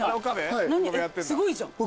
えっすごいじゃん。